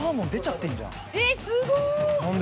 えっすごっ。